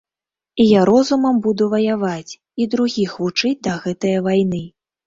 І я розумам буду ваяваць і другіх вучыць да гэтае вайны.